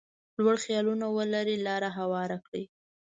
لوړ خیالونه ولري لاره هواره کړي.